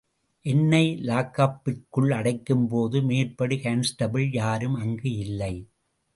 என்னை லாக்கப்பிற்குள் அடைக்கும்போது மேற்படி கான்ஸ்டெபிள் யாரும் அங்கு இல்லை.